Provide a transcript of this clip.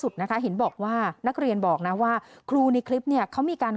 ช็อกเลยไหมคะ